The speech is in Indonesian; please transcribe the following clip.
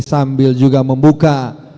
sambil juga membuka